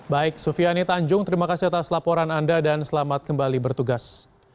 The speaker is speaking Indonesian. baik sufiani tanjung terima kasih atas laporan anda dan selamat kembali bertugas